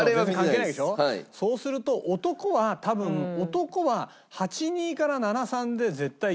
そうすると男は多分男は８：２から７：３で絶対牛にいくと思うのよ。